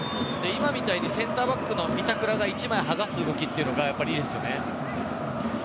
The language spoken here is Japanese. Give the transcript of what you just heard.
今みたいにセンターバックの板倉が１枚剥がす動きというのがいいですよね。